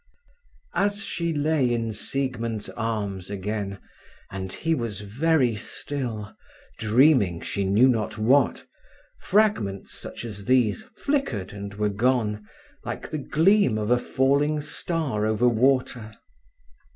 As she lay in Siegmund's arms again, and he was very still, dreaming she knew not what, fragments such as these flickered and were gone, like the gleam of a falling star over water.